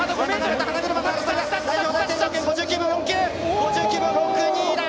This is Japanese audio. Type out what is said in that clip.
５９秒６２だ！